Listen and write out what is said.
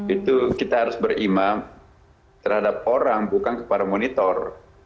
itu kita harus berimam terhadap orang bukan kepada monitor